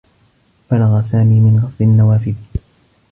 فرغ سامي من غسل النّوافذ.